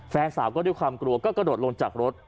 แฟนสาวก็ด้วยความกลัวก็กระโดดลงจากรถ